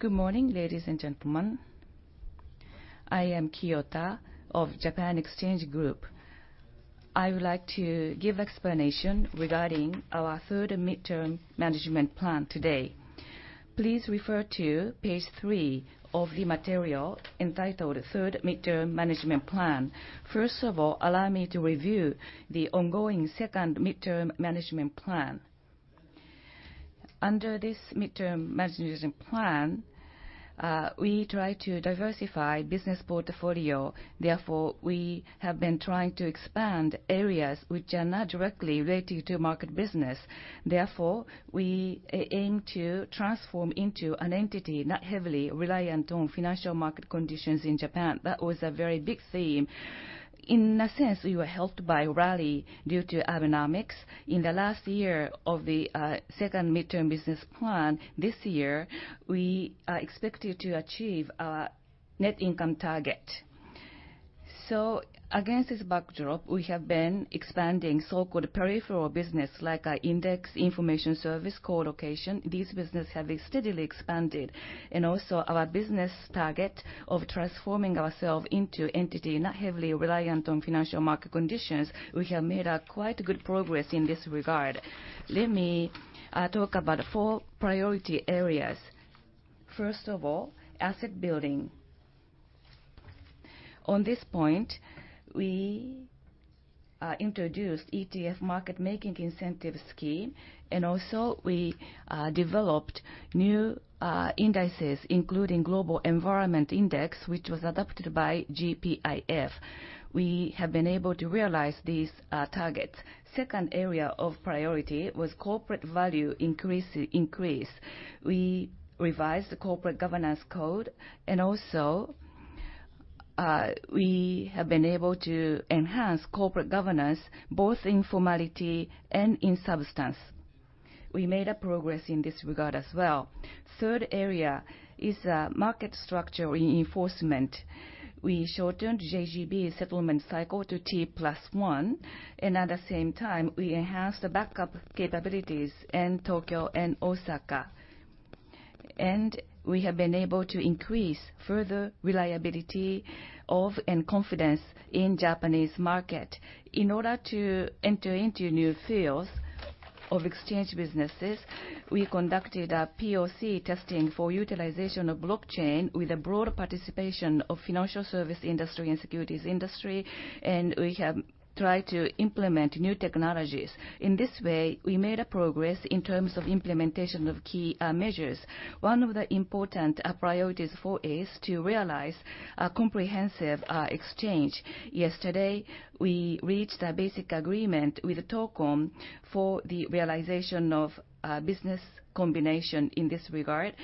Good morning, ladies and gentlemen. I am Kiyota of Japan Exchange Group. I would like to give explanation regarding our Third Midterm Management Plan today. Please refer to page three of the material entitled Third Midterm Management Plan. Allow me to review the ongoing second midterm management plan. Under this midterm management plan, we try to diversify business portfolio. We have been trying to expand areas which are not directly related to market business. We aim to transform into an entity not heavily reliant on financial market conditions in Japan. That was a very big theme. In a sense, we were helped by rally due to Abenomics. In the last year of the Second Midterm Business Plan, this year, we are expected to achieve our net income target. Against this backdrop, we have been expanding so-called peripheral business like our index information service, colocation. These businesses have been steadily expanded. Our business target of transforming ourselves into an entity not heavily reliant on financial market conditions. We have made a quite good progress in this regard. Let me talk about four priority areas. Asset building. On this point, we introduced ETF market making incentive scheme, we developed new indices, including Global Environmental Stock Index, which was adopted by GPIF. We have been able to realize these targets. Second area of priority was corporate value increase. We revised the Corporate Governance Code, we have been able to enhance corporate governance both in formality and in substance. We made a progress in this regard as well. Third area is market structure reinforcement. We shortened JGB settlement cycle to T+1, we enhanced the backup capabilities in Tokyo and Osaka. We have been able to increase further reliability of and confidence in Japanese market. In order to enter into new fields of exchange businesses, we conducted a PoC testing for utilization of blockchain with a broad participation of financial service industry and securities industry, we have tried to implement new technologies. In this way, we made a progress in terms of implementation of key measures. One of the important priorities for us is to realize a comprehensive exchange. Yesterday, we reached a basic agreement with TOCOM for the realization of business combination in this regard,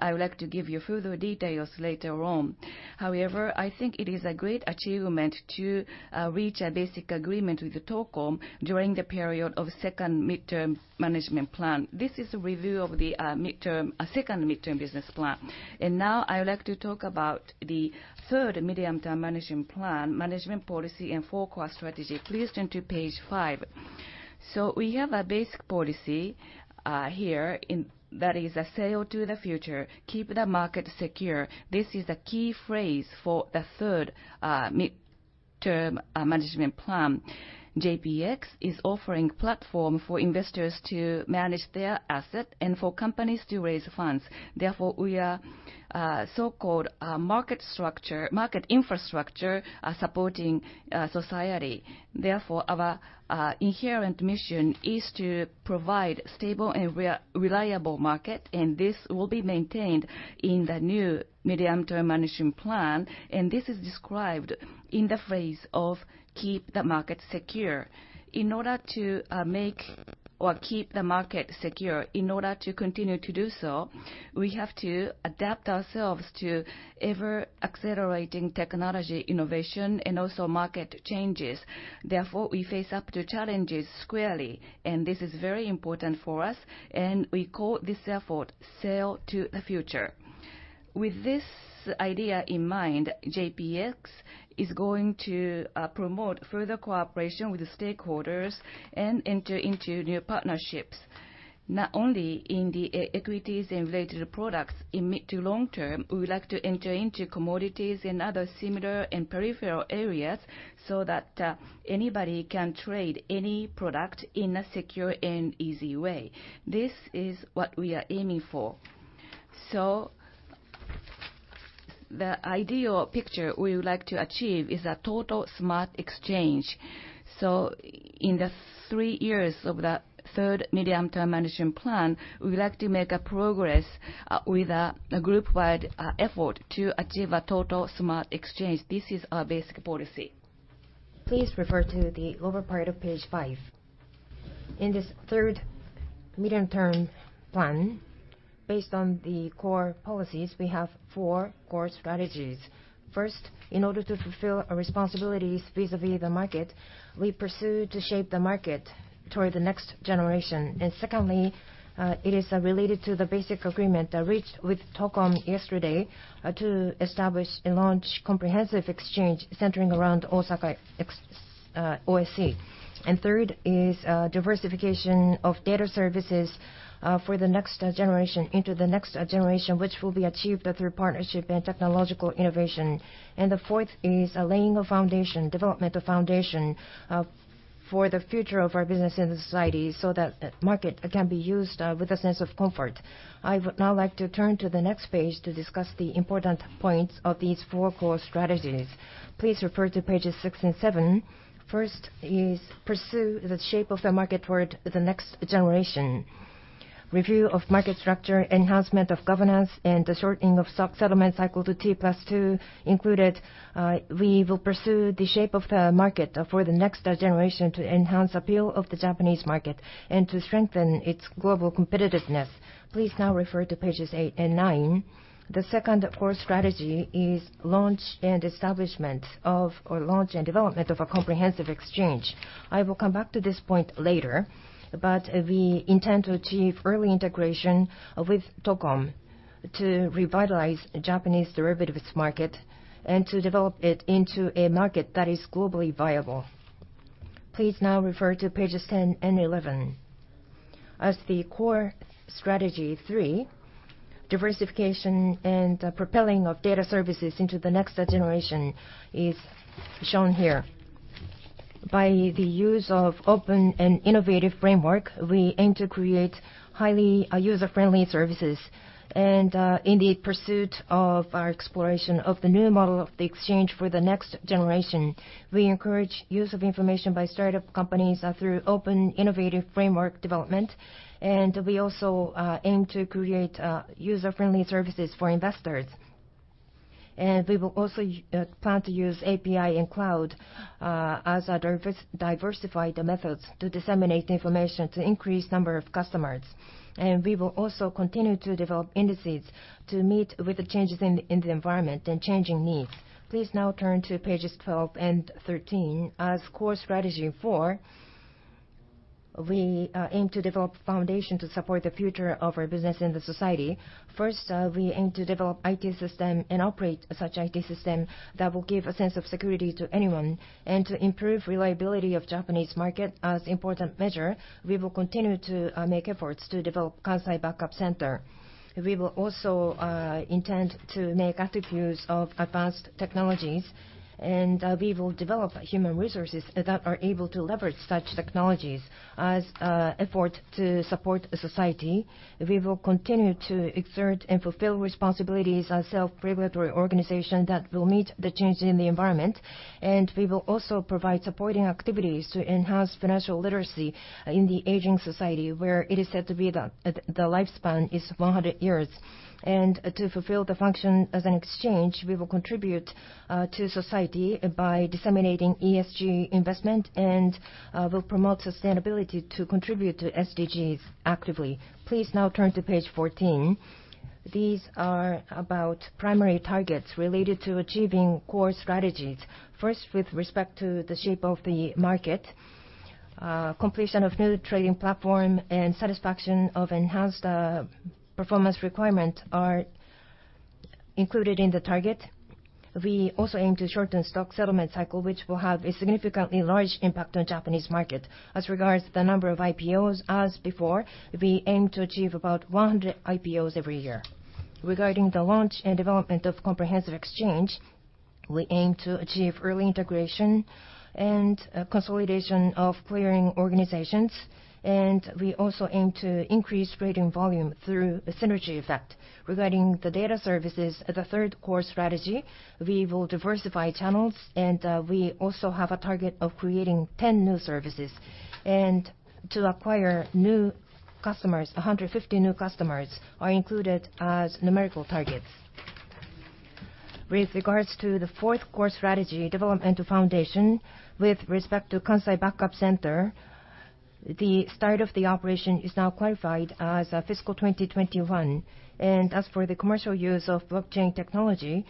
I would like to give you further details later on. I think it is a great achievement to reach a basic agreement with TOCOM during the period of second midterm management plan. This is a review of the Second Midterm Business Plan. Now I would like to talk about the third midterm management plan, management policy, and forecast strategy. Please turn to page five. We have a basic policy here that is Sail to the Future. Keep the market secure. This is a key phrase for the third midterm management plan. JPX is offering a platform for investors to manage their assets and for companies to raise funds. We are so-called market infrastructure supporting society. Our inherent mission is to provide stable and reliable market, this will be maintained in the new midterm management plan, this is described in the phrase of keep the market secure. In order to make or keep the market secure, in order to continue to do so, we have to adapt ourselves to ever-accelerating technology innovation and market changes. We face up to challenges squarely, and this is very important for us, and we call this effort Sail to the Future. With this idea in mind, JPX is going to promote further cooperation with the stakeholders and enter into new partnerships. Not only in the equities and related products in mid to long term, we would like to enter into commodities and other similar and peripheral areas so that anybody can trade any product in a secure and easy way. This is what we are aiming for. The ideal picture we would like to achieve is a Total Smart Exchange. In the three years of the third midterm management plan, we would like to make a progress with a group-wide effort to achieve a Total Smart Exchange. This is our basic policy. Please refer to the lower part of page five. In this third midterm plan Based on the core policies, we have four core strategies. First, in order to fulfill our responsibilities vis-a-vis the market, we pursue to shape the market toward the next generation. Secondly, it is related to the basic agreement reached with TOCOM yesterday to establish and launch comprehensive exchange centering around Osaka OSE. Third is diversification of data services for the next generation into the next generation, which will be achieved through partnership and technological innovation. The fourth is laying a foundation, developmental foundation for the future of our business in the society so that market can be used with a sense of comfort. I would now like to turn to the next page to discuss the important points of these four core strategies. Please refer to pages six and seven. First is pursue the shape of the market toward the next generation. Review of market structure, enhancement of governance, and the shortening of stock settlement cycle to T+2 included. We will pursue the shape of the market for the next generation to enhance appeal of the Japanese market and to strengthen its global competitiveness. Please now refer to pages eight and nine. The second core strategy is launch and development of a comprehensive exchange. I will come back to this point later, but we intend to achieve early integration with TOCOM to revitalize Japanese derivatives market and to develop it into a market that is globally viable. Please now refer to pages 10 and 11. As the core strategy three, diversification and propelling of data services into the next generation is shown here. By the use of open and innovative framework, we aim to create highly user-friendly services. In the pursuit of our exploration of the new model of the exchange for the next generation, we encourage use of information by startup companies through open innovative framework development, and we also aim to create user-friendly services for investors. We will also plan to use API and cloud as diversified methods to disseminate information to increase number of customers. We will also continue to develop indices to meet with the changes in the environment and changing needs. Please now turn to pages 12 and 13. As core strategy four, we aim to develop foundation to support the future of our business in the society. First, we aim to develop IT system and operate such IT system that will give a sense of security to anyone and to improve reliability of Japanese market as important measure. We will continue to make efforts to develop Kansai Backup Center. We will also intend to make active use of advanced technologies, and we will develop human resources that are able to leverage such technologies as effort to support society. We will continue to exert and fulfill responsibilities as self-regulatory organization that will meet the change in the environment. We will also provide supporting activities to enhance financial literacy in the aging society, where it is said to be that the lifespan is 100 years. To fulfill the function as an exchange, we will contribute to society by disseminating ESG investment and will promote sustainability to contribute to SDGs actively. Please now turn to page 14. These are about primary targets related to achieving core strategies. First, with respect to the shape of the market, completion of new trading platform and satisfaction of enhanced performance requirement are included in the target. We also aim to shorten stock settlement cycle, which will have a significantly large impact on Japanese market. As regards to the number of IPOs, as before, we aim to achieve about 100 IPOs every year. Regarding the launch and development of comprehensive exchange, we aim to achieve early integration and consolidation of clearing organizations, and we also aim to increase trading volume through a synergy effect. Regarding the data services as the third core strategy, we will diversify channels, and we also have a target of creating 10 new services. To acquire new customers, 150 new customers are included as numerical targets. With regards to the fourth core strategy, development foundation, with respect to Kansai Backup Center, the start of the operation is now qualified as fiscal 2021. As for the commercial use of blockchain technology,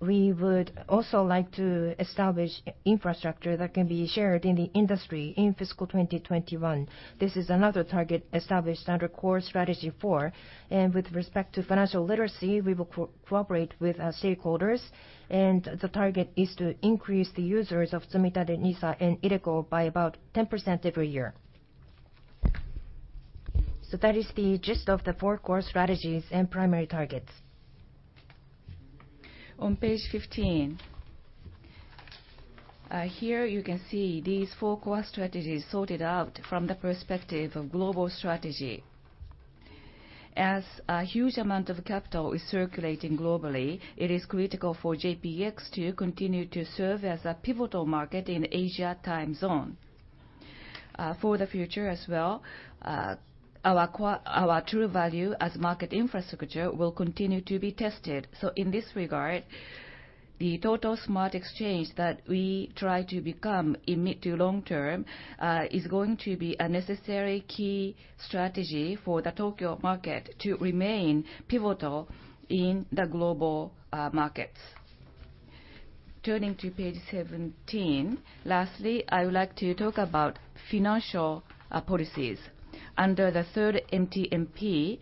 we would also like to establish infrastructure that can be shared in the industry in fiscal 2021. This is another target established under core strategy four. With respect to financial literacy, we will cooperate with our stakeholders, and the target is to increase the users of Tsumitate NISA and IDeCo by about 10% every year. That is the gist of the four core strategies and primary targets. On page 15. Here you can see these four core strategies sorted out from the perspective of global strategy. As a huge amount of capital is circulating globally, it is critical for JPX to continue to serve as a pivotal market in Asia time zone. For the future as well, our true value as market infrastructure will continue to be tested. In this regard, the Total smart exchange that we try to become in mid- to long-term, is going to be a necessary key strategy for the Tokyo market to remain pivotal in the global markets. Turning to page 17. Lastly, I would like to talk about financial policies. Under the third MTMP,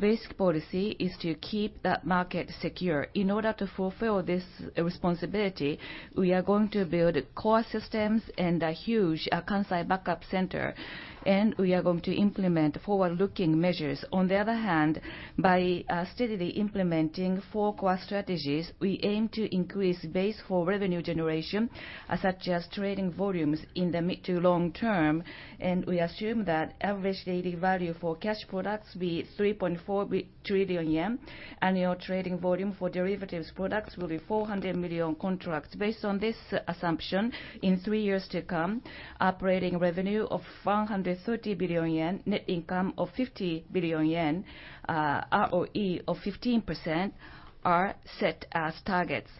basic policy is to keep that market secure. In order to fulfill this responsibility, we are going to build core systems and a huge Kansai Backup Center, and we are going to implement forward-looking measures. On the other hand, by steadily implementing four core strategies, we aim to increase base for revenue generation, such as trading volumes in the mid- to long-term. We assume that average daily value for cash products be 3.4 trillion yen. Annual trading volume for derivatives products will be 400 million contracts. Based on this assumption, in 3 years to come, operating revenue of 130 billion yen, net income of 50 billion yen, ROE of 15% are set as targets.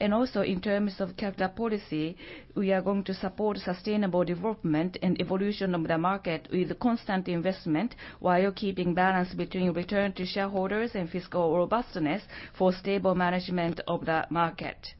Also, in terms of capital policy, we are going to support sustainable development and evolution of the market with constant investment, while keeping balance between return to shareholders and fiscal robustness for stable management of the market.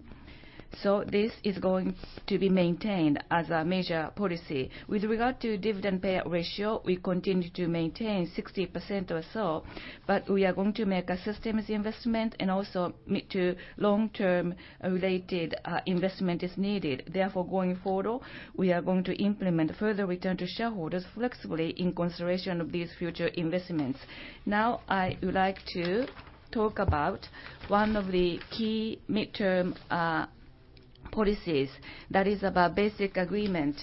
This is going to be maintained as a major policy. With regard to dividend payout ratio, we continue to maintain 60% or so, but we are going to make a systems investment and also mid- to long-term related investment is needed. Therefore, going forward, we are going to implement further return to shareholders flexibly in consideration of these future investments. Now, I would like to talk about one of the key midterm policies that is about basic agreement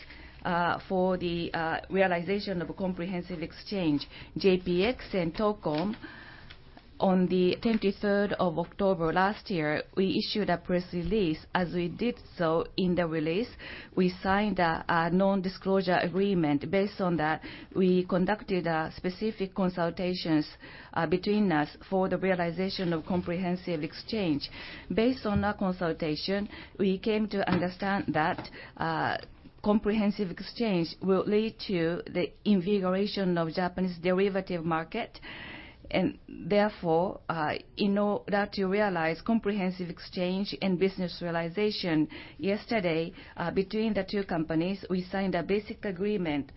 for the realization of comprehensive exchange. JPX and TOCOM, on the 23rd of October last year, we issued a press release. As we did so in the release, we signed a non-disclosure agreement. Based on that, we conducted specific consultations between us for the realization of comprehensive exchange. Based on that consultation, we came to understand that comprehensive exchange will lead to the invigoration of Japanese derivative market. Therefore, in order to realize comprehensive exchange and business realization, yesterday between the two companies, we signed a basic agreement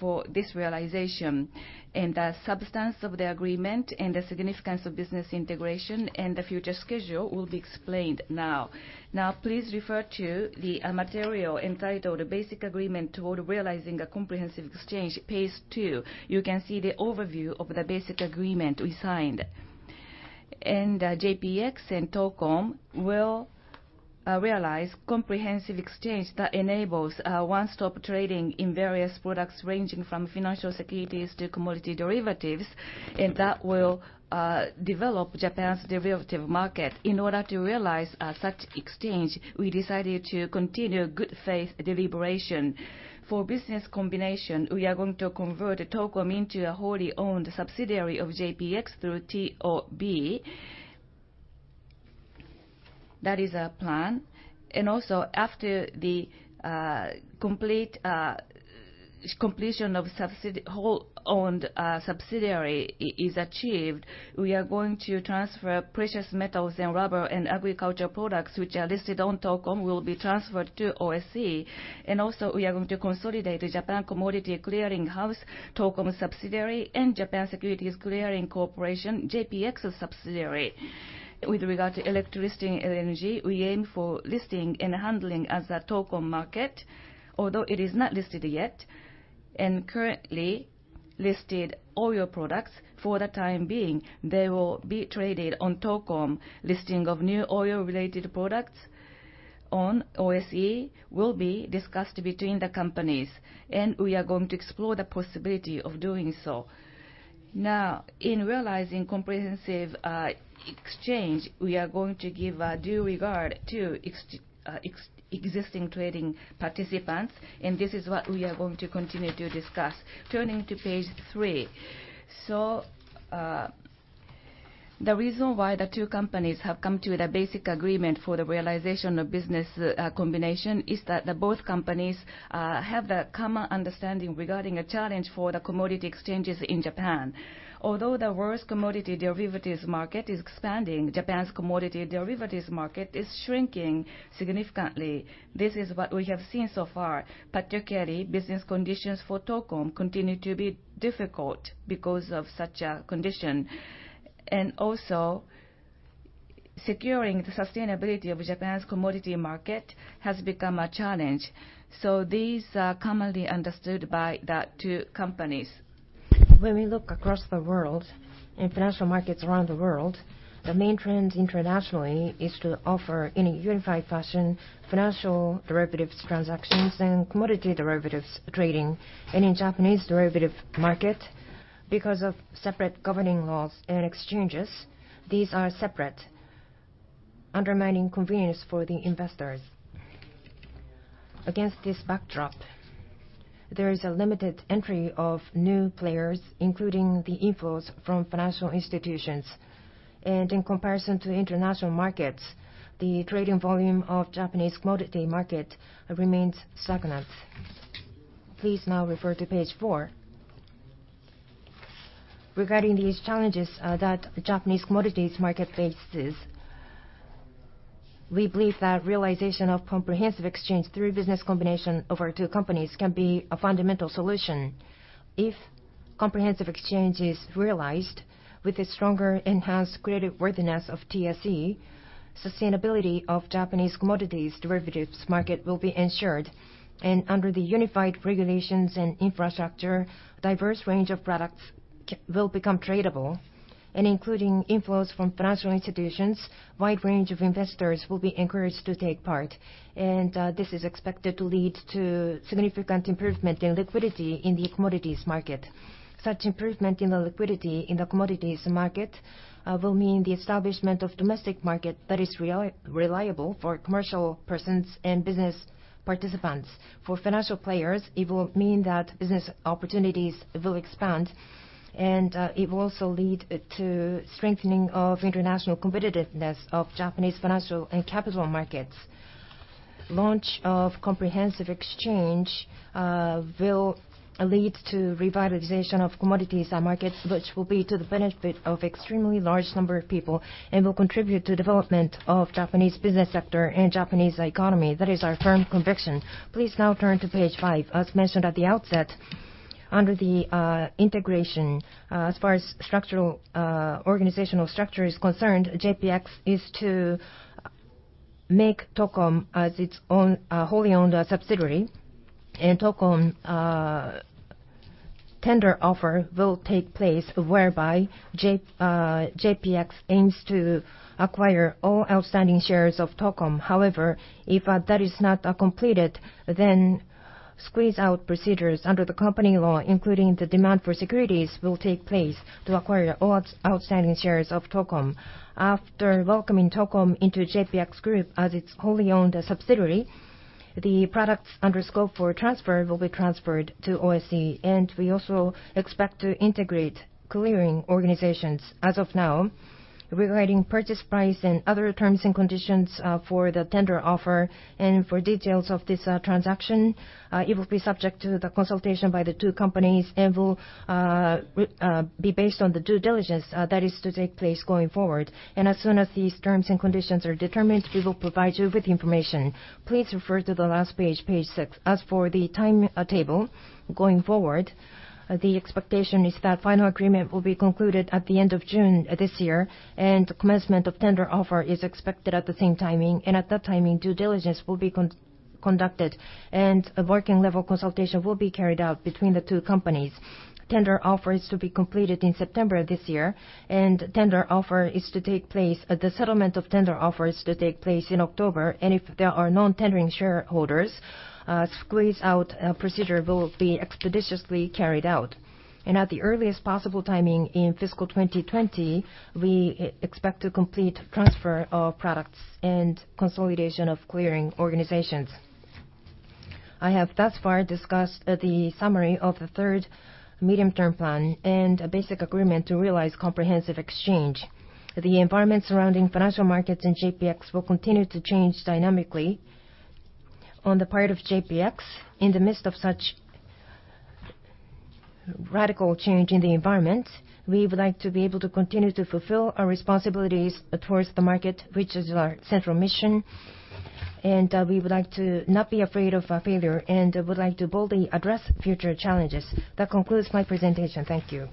for this realization. The substance of the agreement, the significance of business integration, and the future schedule will be explained now. Now, please refer to the material entitled Basic Agreement toward Realizing a Comprehensive Exchange, page 2. You can see the overview of the basic agreement we signed. JPX and TOCOM will realize comprehensive exchange that enables one-stop trading in various products, ranging from financial securities to commodity derivatives. That will develop Japan's derivative market. In order to realize such exchange, we decided to continue good faith deliberation. For business combination, we are going to convert TOCOM into a wholly owned subsidiary of JPX through TOB. That is our plan. After the completion of wholly-owned subsidiary is achieved, we are going to transfer precious metals and rubber and agricultural products which are listed on TOCOM will be transferred to OSE. We are going to consolidate the Japan Commodity Clearing House, TOCOM's subsidiary, and Japan Securities Clearing Corporation, JPX's subsidiary. With regard to electricity and LNG, we aim for listing and handling as a TOCOM market, although it is not listed yet. Currently listed oil products, for the time being, they will be traded on TOCOM. Listing of new oil-related products on OSE will be discussed between the companies, and we are going to explore the possibility of doing so. In realizing comprehensive exchange, we are going to give due regard to existing trading participants, and this is what we are going to continue to discuss. Turning to page three. The reason why the two companies have come to the basic agreement for the realization of business combination is that both companies have the common understanding regarding a challenge for the commodity exchanges in Japan. Although the world's commodity derivatives market is expanding, Japan's commodity derivatives market is shrinking significantly. This is what we have seen so far. Particularly, business conditions for TOCOM continue to be difficult because of such a condition. Securing the sustainability of Japan's commodity market has become a challenge. These are commonly understood by the two companies. When we look across the world, in financial markets around the world, the main trend internationally is to offer, in a unified fashion, financial derivatives transactions and commodity derivatives trading. In Japanese derivative market, because of separate governing laws and exchanges, these are separate, undermining convenience for the investors. Against this backdrop, there is a limited entry of new players, including the inflows from financial institutions. In comparison to international markets, the trading volume of Japanese commodity market remains stagnant. Please now refer to page four. Regarding these challenges that the Japanese commodities market faces, we believe that realization of comprehensive exchange through business combination of our two companies can be a fundamental solution. If comprehensive exchange is realized with a stronger enhanced credit worthiness of TSE, sustainability of Japanese commodities derivatives market will be ensured. Under the unified regulations and infrastructure, diverse range of products will become tradable. Including inflows from financial institutions, wide range of investors will be encouraged to take part. This is expected to lead to significant improvement in liquidity in the commodities market. Such improvement in the liquidity in the commodities market will mean the establishment of domestic market that is reliable for commercial persons and business participants. For financial players, it will mean that business opportunities will expand, and it will also lead to strengthening of international competitiveness of Japanese financial and capital markets. Launch of comprehensive exchange will lead to revitalization of commodities markets, which will be to the benefit of extremely large number of people and will contribute to development of Japanese business sector and Japanese economy. That is our firm conviction. Please now turn to page five. As mentioned at the outset, under the integration, as far as organizational structure is concerned, JPX is to make TOCOM as its own wholly-owned subsidiary. TOCOM tender offer will take place whereby JPX aims to acquire all outstanding shares of TOCOM. If that is not completed, squeeze out procedures under the company law, including the demand for securities, will take place to acquire all outstanding shares of TOCOM. After welcoming TOCOM into JPX Group as its wholly-owned subsidiary, the products under scope for transfer will be transferred to OSE, we also expect to integrate clearing organizations. As of now, regarding purchase price and other terms and conditions for the tender offer and for details of this transaction, it will be subject to the consultation by the two companies and will be based on the due diligence that is to take place going forward. As soon as these terms and conditions are determined, we will provide you with the information. Please refer to the last page six. As for the timetable going forward, the expectation is that final agreement will be concluded at the end of June this year, commencement of tender offer is expected at the same timing. At that timing, due diligence will be conducted, a working-level consultation will be carried out between the two companies. Tender offer is to be completed in September this year, the settlement of tender offer is to take place in October. If there are non-tendering shareholders, a squeeze out procedure will be expeditiously carried out. At the earliest possible timing in fiscal 2020, we expect to complete transfer of products and consolidation of clearing organizations. I have thus far discussed the summary of the Third Medium-Term Plan and a basic agreement to realize comprehensive exchange. The environment surrounding financial markets and JPX will continue to change dynamically. On the part of JPX, in the midst of such radical change in the environment, we would like to be able to continue to fulfill our responsibilities towards the market, which is our central mission. We would like to not be afraid of failure and would like to boldly address future challenges. That concludes my presentation. Thank you.